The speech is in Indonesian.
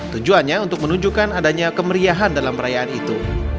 tujuannya untuk menunjukkan adanya kemeriahan dalam perayaan itu